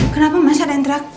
kenapa masih ada yang terak